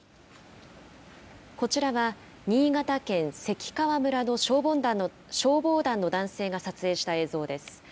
こちらは、新潟県関川村の消防団の男性が撮影した映像です。